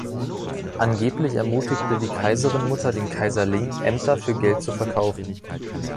Angeblich ermutigte die Kaiserinmutter den Kaiser Ling, Ämter für Geld zu verkaufen.